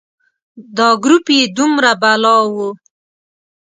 دا ګروپ یې دومره بلا و.